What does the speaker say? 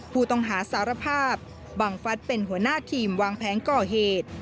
ผู้ต้องหาสารภาพบังฟัฐเป็นหัวหน้าทีมวางแผนก่อเหตุ